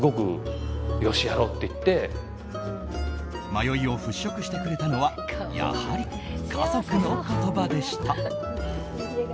迷いを払拭してくれたのはやはり家族の言葉でした。